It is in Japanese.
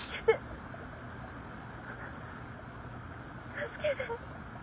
助けて。